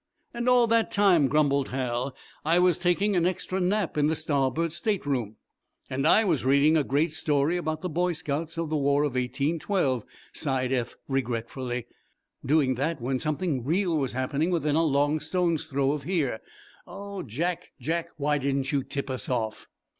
"And all that time," grumbled Hal, "I was taking an extra nap in the starboard stateroom." "And I was reading a great story about the boy scouts of the War of 1812," sighed Eph, regretfully. "Doing that when something real was happening within a long stone's throw of here. Oh, Jack, Jack! Why didn't you tip us off?"